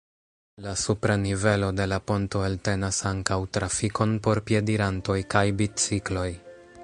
La supra nivelo de la ponto eltenas ankaŭ trafikon por piedirantoj kaj bicikloj.